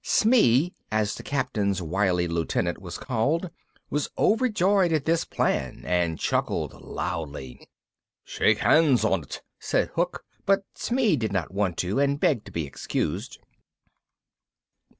Smee, as the Captain's wily lieutenant was called, was overjoyed at this plan, and chuckled loudly. "Shake hands on't," said Hook, but Smee did not want to, and begged to be excused.